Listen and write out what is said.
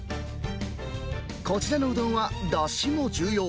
こちらのうどんは、だしも重要。